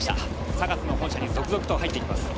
ＳＡＧＡＳの本社に続々と入っていきます